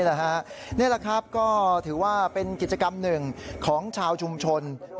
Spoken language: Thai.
นี่แหละครับก็ถือว่าเป็นกิจกรรมหนึ่งของชาวชุมชน